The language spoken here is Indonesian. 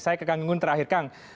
saya ke kang gungun terakhir